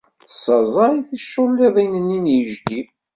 Tessaẓey ticulliḍin-nni n yejdi.